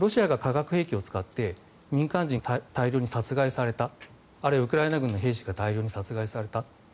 ロシアが化学兵器を使って民間人が大量に殺害されたあるいはウクライナ軍の兵士が大量に殺害された。